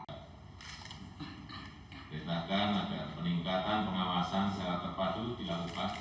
tindakan agar peningkatan pengawasan secara terpadu dilakukan